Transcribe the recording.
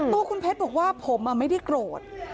ตัวคุณเพชรบอกว่าผมไม่ได้โกรธ